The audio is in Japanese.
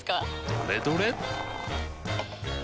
どれどれっ！